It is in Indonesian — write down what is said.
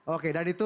oke dan itu